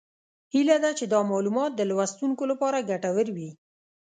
هیله ده چې دا معلومات د لوستونکو لپاره ګټور وي